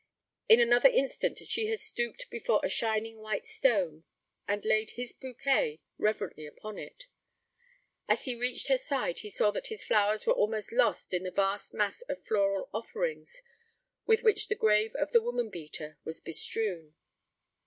In another instant she has stooped before a shining white stone, and laid his bouquet reverently upon it. As he reached her side, he saw that his flowers were almost lost in the vast mass of floral offerings with which the grave of the woman beater was bestrewn.